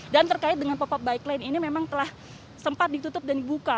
dan terkait dengan pop up bike lane ini memang telah sempat ditutup dan dibuka